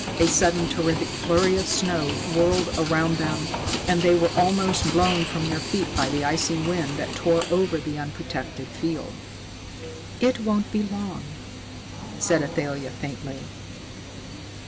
A sudden terrific flurry of snow whirled around them, and they were almost blown from their feet by the icy wind that tore over the unprotected field. "It won't be long," said Athalia faintly.